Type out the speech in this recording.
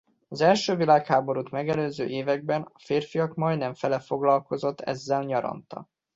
Az első világháborút megelőző években a férfiak majdnem fele foglalkozott ezzel nyaranta.